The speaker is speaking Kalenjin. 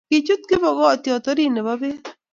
Kichut kipokitiot orit nebo pek